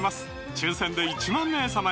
抽選で１万名様に！